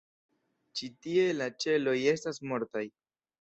Ĉi-tie la ĉeloj estas mortaj.